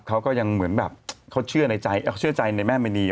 เขาก็ยังเหมือนแบบเขาเชื่อใจในแม่มณี